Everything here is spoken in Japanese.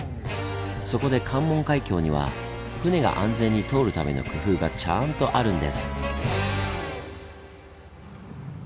そこで関門海峡には船が安全に通るための工夫がちゃんとあるんです。